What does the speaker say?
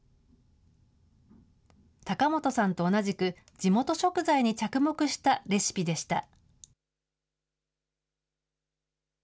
高本さんと同じく、地元食材に着目したレシピでした。